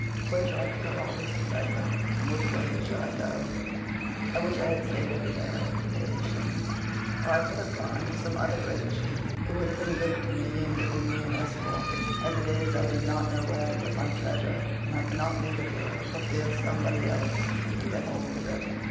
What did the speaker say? Where shall I put all this treasure, and which way shall I go? I wish I had staid over there with the Phaeacians; or I could have gone to some other great chief who would have been good to me and given me an escort. As it is I do not know where to put my treasure, and I cannot leave it here for fear somebody else should get hold of it.